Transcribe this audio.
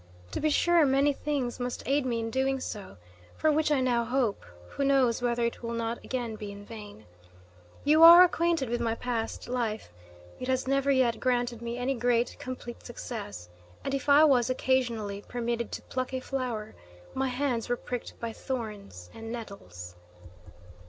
To be sure, many things must aid me in doing so, for which I now hope; who knows whether it will not again be in vain? You are acquainted with my past life. It has never yet granted me any great, complete success, and if I was occasionally permitted to pluck a flower, my hands were pricked by thorns and nettles!"